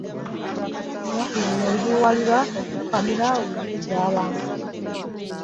Ennaku zino nzibuwalira okufukamira nga mbuza abantu.